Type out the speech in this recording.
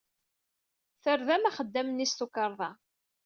Terdam axeddam-nni s tukerḍa.